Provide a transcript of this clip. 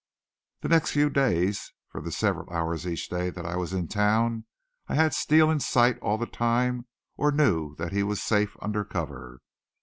The next few days, for the several hours each day that I was in town, I had Steele in sight all the time or knew that he was safe under cover.